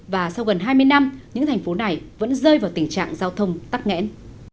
và sau gần hai mươi năm những thành phố này vẫn rơi vào tình trạng giao thông tắt nghẽn